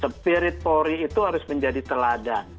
jadi spirit polri itu harus menjadi teladan